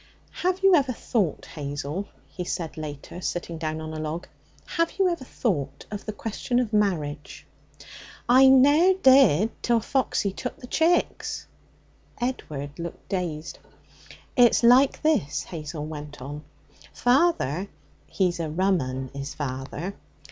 'Have you ever thought, Hazel,' he said later, sitting down on a log 'have you ever thought of the question of marriage?' 'I ne'er did till Foxy took the chicks.' Edward looked dazed. 'It's like this,' Hazel went on. 'Father (he's a rum 'un, is father!)